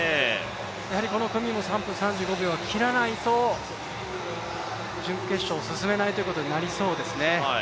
この組も３分５５秒切らないと準決勝進めないということになりそうですね。